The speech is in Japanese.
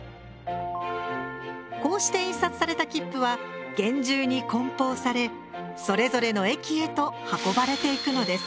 こうして印刷された切符は厳重に梱包されそれぞれの駅へと運ばれていくのです。